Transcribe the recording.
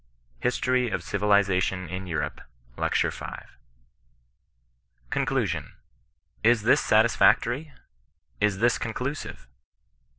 — Hi& tory of Civilization in Europe, Lect. V. CONCLUSION. Is this satisfactory? Is this conclusive?